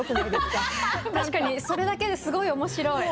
確かにそれだけですごい面白い。